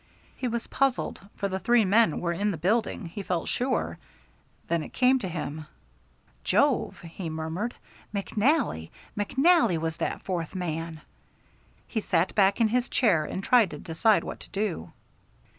He was puzzled, for the three men were in the building, he felt sure. Then it came to him. "Jove," he murmured, "McNally! McNally was that fourth man." He sat back in his chair and tried to decide what to do.